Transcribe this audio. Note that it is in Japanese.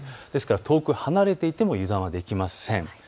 遠く離れていても油断はできません。